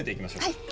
はい。